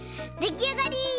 できあがり！